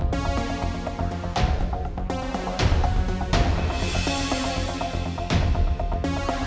silahkan saya beri dasar barbindustri